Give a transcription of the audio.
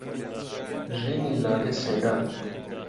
ژینی لادێ سەیرانە